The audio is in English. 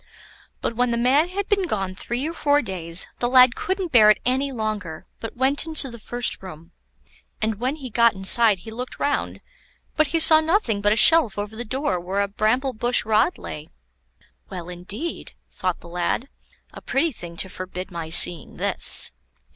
But when the man had been gone three or four days, the lad couldn't bear it any longer, but went into the first room, and when he got inside he looked round, but he saw nothing but a shelf over the door where a bramble bush rod lay. Well, indeed! thought the lad; a pretty thing to forbid my seeing this.